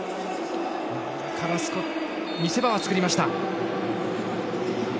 カラスコ、見せ場は作りました。